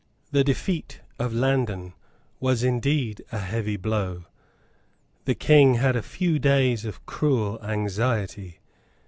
The defeat of Landen was indeed a heavy blow. The King had a few days of cruel anxiety.